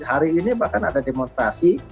hari ini bahkan ada demonstrasi